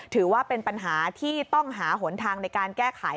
ถือว่าเป็นปัญหาที่ต้องหาหนทางในการแก้ไข